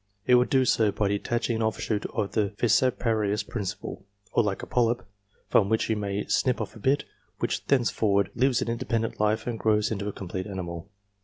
It would do so by detaching an offshoot on the fissiparous principle, or like a polyp, from which you may snip off a bit, which thenceforward lives an independent life and grows into a complete animal.